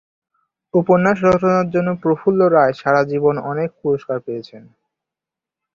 উপন্যাস রচনার জন্য প্রফুল্ল রায় সারা জীবন অনেক পুরস্কার পেয়েছেন।